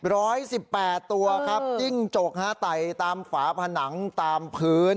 ร้อยสิบแปดตัวครับจิ้งจกฮะไต่ตามฝาผนังตามพื้น